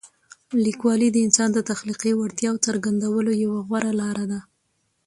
لیکوالی د انسان د تخلیقي وړتیاوو څرګندولو یوه غوره لاره ده.